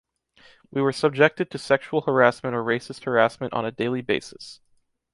We were subjected to sexual harassment or racist harassment on a daily basis.